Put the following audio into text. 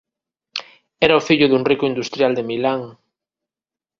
Era o fillo dun rico industrial de Milan.